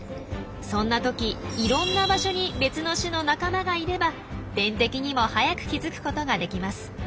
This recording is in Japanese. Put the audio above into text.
そんなときいろんな場所に別の種の仲間がいれば天敵にも早く気づくことができます。